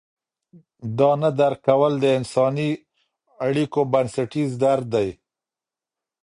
دا نه درک کول د انساني اړیکو بنسټیز درد دی.